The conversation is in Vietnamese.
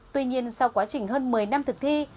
tuy nhiên sau quá trình hơn một mươi năm thực thi